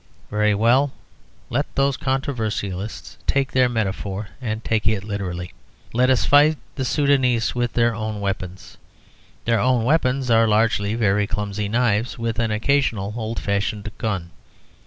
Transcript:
Very well; let those controversialists take their metaphor, and take it literally. Let us fight the Soudanese with their own weapons. Their own weapons are large, very clumsy knives, with an occasional old fashioned gun.